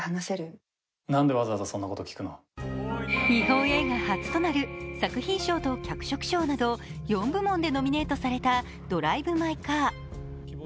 日本映画初となる作品賞と脚色賞など４部門でノミネートされた「ドライブ・マイ・カー」。